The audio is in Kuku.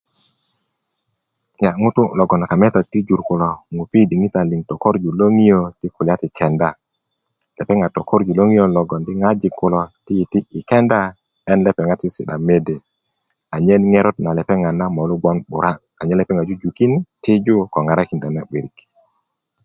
ŋutu' logon a kametak ti jur kulo yi diŋitan liŋ ŋupi tokorju loŋiyo yi kulya ti kenda lopeŋ lo tokorju loŋoyo logon adi ti ŋojik kulo yiti yi kenda en lepeŋat sisi'da mede anen ŋerot na lepeŋat na molu gbon 'bura anyen lepeŋat jujukin tiju ŋarakinda na 'barik